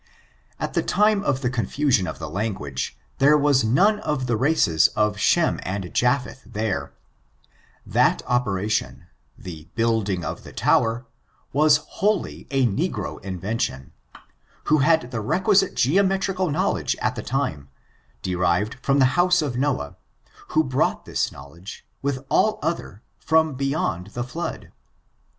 At the time of the confusion of the language, there was none of the races of Shem and Japheth there ; that operation — the building of the tower — was whol ly of negro invention, who had the requisite geomet rical knowledge at the time, derived from the house of Noah, who brought this knowledge, with all other, from beyond the flood.